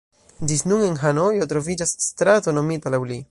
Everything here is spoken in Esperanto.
Ĝis nun en Hanojo troviĝas strato nomita laŭ li.